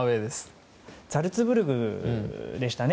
ザルツブルクでしたね。